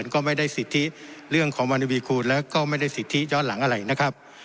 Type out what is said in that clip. ก็ไม่ได้สิทธิเรื่องของวรรณวีคูณแล้วก็ไม่ได้สิทธิย้อนหลังอะไรนะครับ